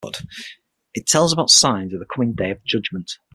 It tells about signs of the coming of the day of judgement.